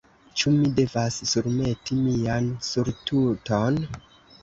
Ĉu mi devas surmeti mian surtuton?